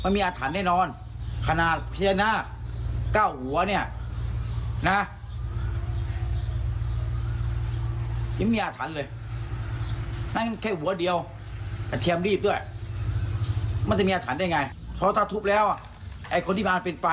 มันจะมีอาถรรย์ได้ไงเพราะถ้าทุบแล้วไอ้คนที่อาลิมน์เป็นไป